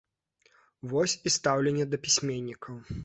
Вось і стаўленне да пісьменнікаў.